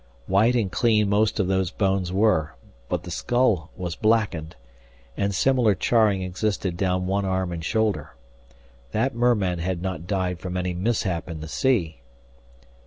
White and clean most of those bones were, but the skull was blackened, and similar charring existed down one arm and shoulder. That merman had not died from any mishap in the sea!